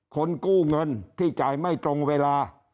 คนกู้เงินที่จ่ายไม่ตรงเวลา